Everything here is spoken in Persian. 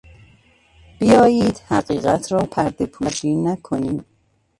بیایید حقیقت را پرده پوشی نکنیم!